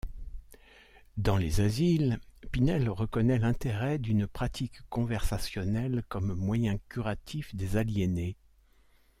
Dans les asiles, Pinel reconnaît l’intérêt d’une pratique conversationnelle comme moyen curatif des aliénés.